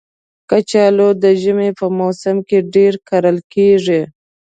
کچالو د ژمي په موسم کې ډېر کرل کېږي